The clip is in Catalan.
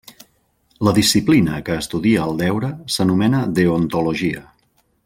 La disciplina que estudia el deure s'anomena deontologia.